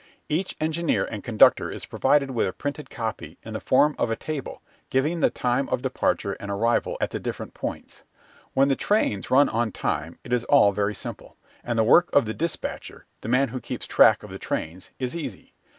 Each engineer and conductor is provided with a printed copy in the form of a table giving the time of departure and arrival at the different points. When the trains run on time it is all very simple, and the work of the despatcher, the man who keeps track of the trains, is easy.